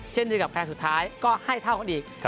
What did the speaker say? เช่นเดียวกับแฟนสุดท้ายก็ให้เท่ากันอีก